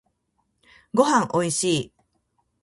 ごはんおいしい。